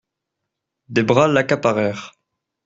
Des bras l'accaparèrent.